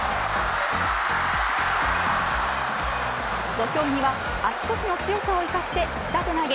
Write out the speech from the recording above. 土俵際、足腰の強さを生かして下手投げ。